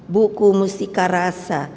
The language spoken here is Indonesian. buku mustika rasa